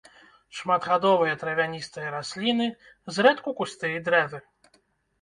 Шматгадовыя травяністыя расліны, зрэдку кусты і дрэвы.